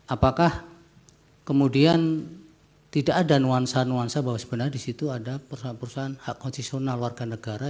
apakah kemudian tidak ada nuansa nuansa bahwa sebenarnya di situ ada perusahaan perusahaan hak konstitusional warga negara